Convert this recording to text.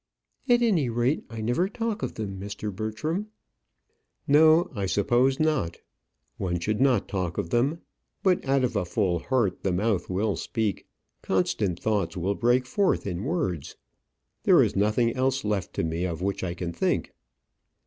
"At any rate, I never talk of them, Mr. Bertram." "No; I suppose not. One should not talk of them. But out of a full heart the mouth will speak. Constant thoughts will break forth in words. There is nothing else left to me of which I can think."